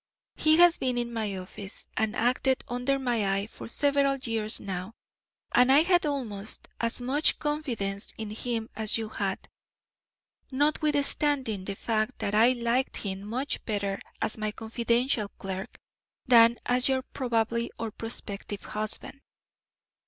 He has been in my office and acted under my eye for several years now, and I had almost as much confidence in him as you had, notwithstanding the fact that I liked him much better as my confidential clerk than as your probable or prospective husband.